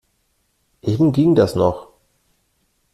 Eben ging das noch.